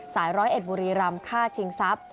ร้อยเอ็ดบุรีรำฆ่าชิงทรัพย์